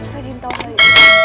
raden tahu saya